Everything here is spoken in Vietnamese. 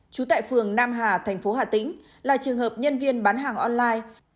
trú tại phường nam hà thành phố hà tĩnh là trường hợp nhân viên bán hàng online